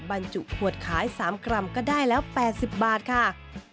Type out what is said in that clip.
บรรจุขวดขาย๓กรัมก็ได้แล้ว๘๐บาทค่ะ